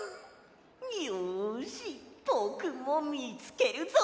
よしぼくもみつけるぞ！